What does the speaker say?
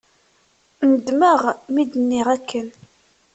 Nedmeɣ mi d-nniɣ akken.